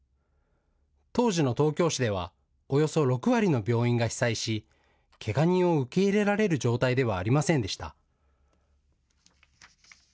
当時の東京市ではおよそ６割の病院が被災しけが人を受け入れられる状態ではありませんでした。